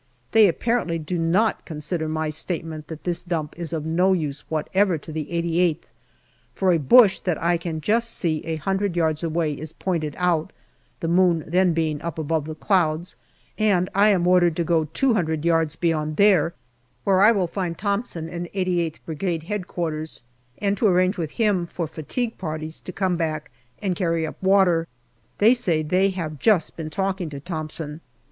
They apparently do not consider my statement that this dump is of no use whatever to the 88th, for a bush that I can just see a hundred yards away is pointed out, the moon then being up above the clouds, and I am ordered to go two hundred yards beyond there, where I will find Thomson and 88th Brigade H.Q., and to arrange with him for fatigue parties to come back and carry up water. They say they have just been talking to Thomson.